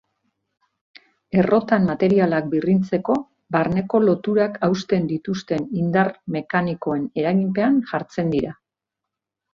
Errotan materialak birrintzeko, barneko loturak hausten dituzten indar mekanikoen eraginpean jartzen dira.